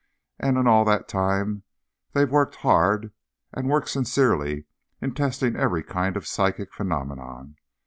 And in all that time, they've worked hard, and worked sincerely, in testing every kind of psychic phenomenon.